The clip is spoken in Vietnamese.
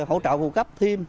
hỗ trợ phụ cấp thêm